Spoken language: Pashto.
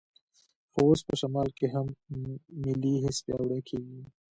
خو اوس په شمال کې هم ملي حس پیاوړی کېږي.